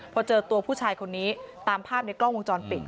พอเจอตัวผู้ชายคนนี้ตามภาพในกล้องวงจรปิด